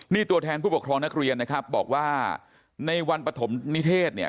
นี่ตัวแทนผู้ปกครองนักเรียนนะครับบอกว่าในวันปฐมนิเทศเนี่ย